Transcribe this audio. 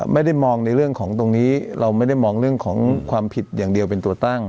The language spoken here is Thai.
ไม่ได้มองในเรื่องของตรงนี้เราไม่ได้มองเรื่องของความผิดอย่างเดียวเป็นตัวตั้ง